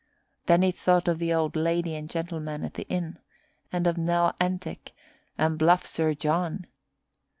Then he thought of the old lady and gentleman at the inn, and of Nell Entick, and bluff Sir John.